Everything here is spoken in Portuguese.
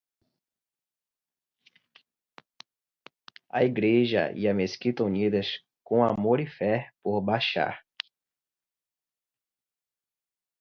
A Igreja e a Mesquita unidas, com amor e fé, por Bashar